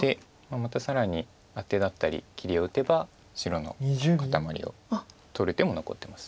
また更にアテだったり切りを打てば白の固まりを取る手も残ってます。